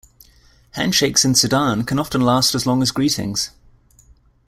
Handshakes in Sudan can often last as long as greetings.